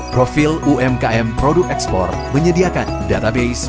profil umkm produk ekspor menyediakan data keuangan dan foto usaha